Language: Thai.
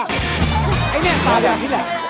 ไอ้เนี่ยตาแบบนี้แหละ